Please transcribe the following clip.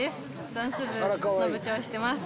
ダンス部の部長してます。